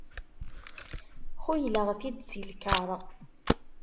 Xuyleɣ-t-id si lkar.